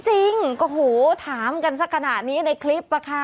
จริงโอ้โหถามกันสักขนาดนี้ในคลิปอะค่ะ